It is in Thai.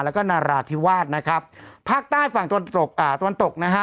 แล้วก็นาราธิวาสนะครับภาคใต้ฝั่งตะวันตกอ่าตะวันตกนะฮะ